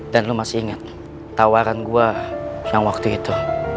dan lo masih inget tawaran gue yang waktu itu